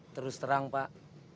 terus terang pak